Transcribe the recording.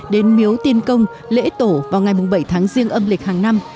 đến miếu tiên công lễ tổ vào ngày bảy tháng riêng âm lịch hàng năm